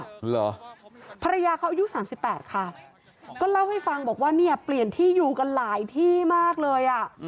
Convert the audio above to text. ฝรรยาเขาอายุ๓๘ค่ะก็เล่าให้ฟังบอกว่าเนี่ยเปลี่ยนที่อยู่กันหลายที่มากเลย